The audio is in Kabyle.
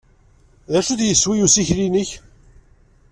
D acu-t yeswi n ussikel-nnek?